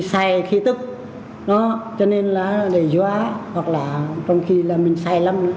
xây khi tức đó cho nên là đe dọa hoặc là trong khi là mình xây lắm